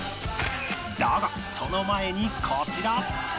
だがその前にこちら！